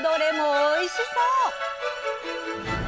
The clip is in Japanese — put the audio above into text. おいしそう！